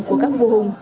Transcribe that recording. của các vua hùng